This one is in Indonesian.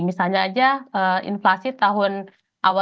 misalnya aja inflasi tahun awal